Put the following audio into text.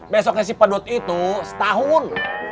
besoknya si pedut itu setahun